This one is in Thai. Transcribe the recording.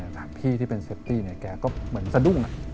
ทางพี่ที่เป็นเซฟตี้เนี่ยแกก็เหมือนสะดุ้ง